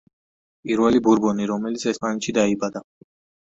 პირველი ბურბონი რომელიც ესპანეთში დაიბადა.